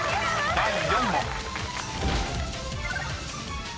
［第４問］